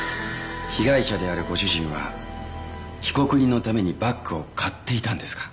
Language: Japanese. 被害者であるご主人は被告人のためにバッグを買っていたんですか？